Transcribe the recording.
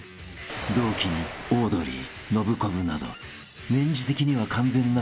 ［同期にオードリーノブコブなど年次的には］